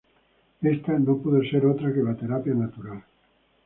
Ésta no pudo ser otra que la terapia natural.